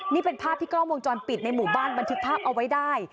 นี่เป็นภาพที่กล้องวงจรปิดในหมู่บ้านบันทึกภาพเอาไว้ได้